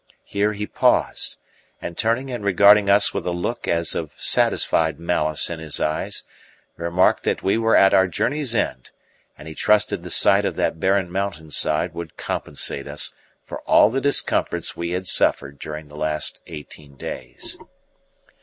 Here he paused and, turning and regarding us with a look as of satisfied malice in his eyes, remarked that we were at our journey's end, and he trusted the sight of that barren mountain side would compensate us for all the discomforts we had suffered during the last eighteen days.